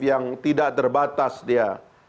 yang tidak terbatas dia